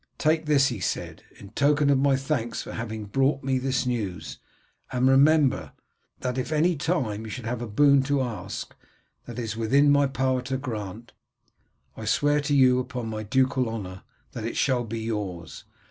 "Take this," he said, "in token of my thanks for having brought me this news, and remember, that if at any time you should have a boon to ask that it is within my power to grant, I swear to you upon my ducal honour that it shall be yours.